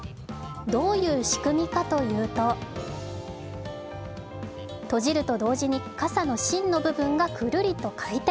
どういう仕組みかというと閉じると同時に傘の芯の部分がくるりと回転。